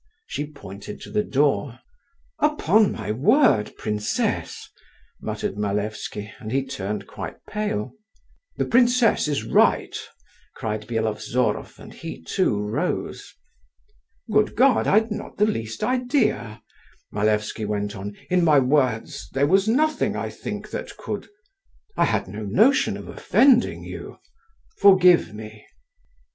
She pointed to the door. "Upon my word, princess," muttered Malevsky, and he turned quite pale. "The princess is right," cried Byelovzorov, and he too rose. "Good God, I'd not the least idea," Malevsky went on, "in my words there was nothing, I think, that could … I had no notion of offending you…. Forgive me."